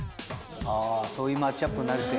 あそういうマッチアップになるって。